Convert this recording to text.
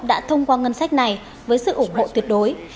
đã thông qua ngân sách này với sự ủng hộ tuyệt đối